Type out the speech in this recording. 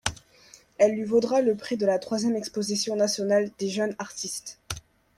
Elle lui vaudra le prix de la troisième Exposition nationale des Jeunes Artistes.